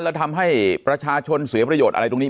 แล้วทำให้ประชาชนเสียประโยชน์อะไรตรงนี้